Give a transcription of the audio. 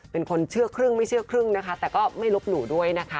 เป็นคนเชื่อครึ่งไม่เชื่อครึ่งนะคะแต่ก็ไม่ลบหลู่ด้วยนะคะ